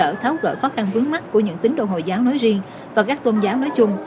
hoạt động này còn thiệt thòi giúp đỡ khó khăn vướng mắt của những tín độ hồi giáo nói riêng và các công giáo nói chung